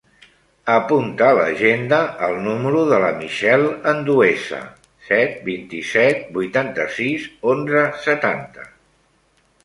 Apunta a l'agenda el número de la Michelle Andueza: set, vint-i-set, vuitanta-sis, onze, setanta.